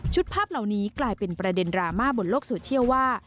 ภาพเหล่านี้กลายเป็นประเด็นดราม่าบนโลกโซเชียลว่า